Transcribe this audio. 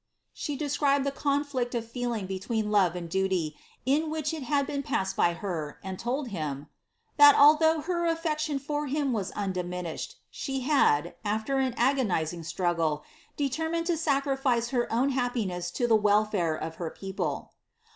She described the conflict of feeling between love and duty, in which it had been passed by her, and told hhn, '^ that although her affection for him was undiminished, she had, after an agonizing struggle, determined to sacrifice her own happiness to the welfare of her people."